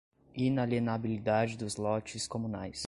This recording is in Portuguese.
inalienabilidade dos lotes comunais